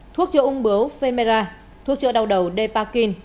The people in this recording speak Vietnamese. thuốc chữa ung bướu xera thuốc chữa đau đầu depakin